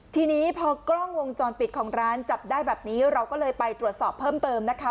ทีนี้พอกล้องวงจรปิดของร้านจับได้แบบนี้เราก็เลยไปตรวจสอบเพิ่มเติมนะคะ